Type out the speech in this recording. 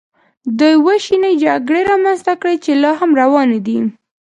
دې وېشنې جګړې رامنځته کړې چې لا هم روانې دي